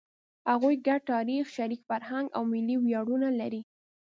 هغوی ګډ تاریخ، شریک فرهنګ او ملي ویاړونه لري.